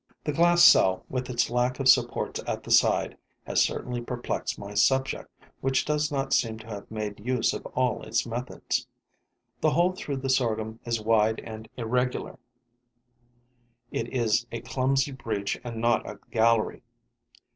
The glass cell, with its lack of supports at the side, has certainly perplexed my subject, which does not seem to have made use of all its methods. The hole through the sorghum is wide and irregular; it is a clumsy breach and not a gallery.